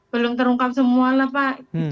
belum terungkap semua lah pak